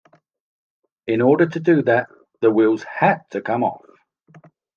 In order to do that, the wheels had to come off.